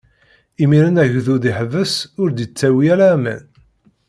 Imiren agdud iḥbes, ur d-ittawi ara aman.